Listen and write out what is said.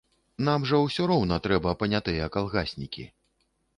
Нам жа ўсё роўна трэба панятыя калгаснікі.